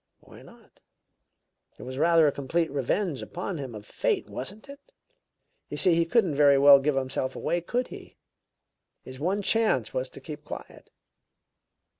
"Why not? It was rather a complete revenge upon him of fate, wasn't it? You see, he couldn't very well give himself away, could he? His one chance was to keep quiet."